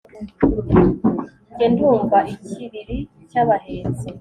Njye ndumva ikiriri cy’abahetsi